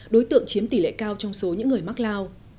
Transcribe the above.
đối tượng chiếm tỷ lệ cao trong số những người mắc lao